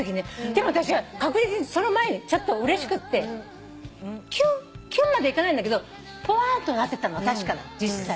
でも私は確実にその前にちょっとうれしくってキュンキュンまでいかないんだけどぽわんとなってたのは確かなの実際。